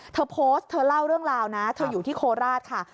เธอโพสต์เธอเล่าเรื่องราวนะเธออยู่ที่โคราชค่ะ